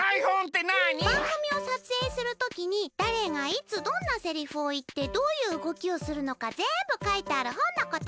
ばんぐみをさつえいするときにだれがいつどんなセリフをいってどういううごきをするのかぜんぶかいてあるほんのこと。